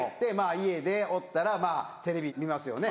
家でおったらまぁテレビ見ますよね。